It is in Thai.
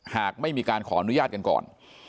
หากไม่มีการขออนุญาตกันก่อน